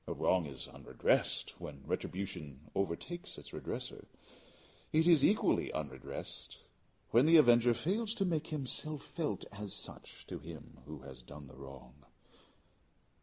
A wrong is unredressed when retribution overtakes its redresser. It is equally unredressed when the avenger fails to make himself felt as such to him who has done the wrong.